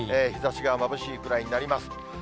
日ざしがまぶしいくらいになります。